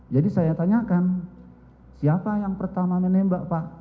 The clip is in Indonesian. jadi saya tanyakan siapa yang pertama menembak pak